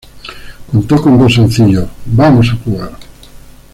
Contó con dos sencillos: "¡Vamos a jugar!